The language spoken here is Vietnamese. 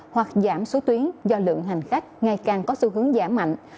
hoặc giảm số tuyến do lượng hành khách ngày càng có xu hướng giảm mạnh